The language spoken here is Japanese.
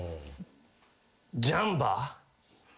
ジャンパー？